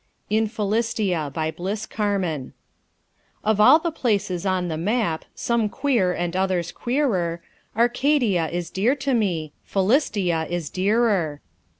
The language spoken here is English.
IN PHILISTIA BY BLISS CARMAN Of all the places on the map, Some queer and others queerer, Arcadia is dear to me, Philistia is dearer.